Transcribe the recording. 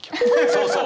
そうそう！